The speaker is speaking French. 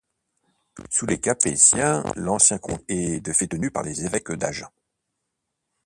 Sous les Capétiens l'ancien comté est de fait tenu par les évêques d'Agen.